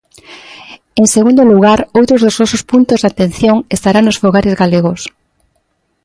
En segundo lugar, outro dos nosos puntos de atención estará nos fogares galegos.